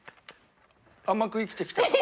甘く生きてきたから。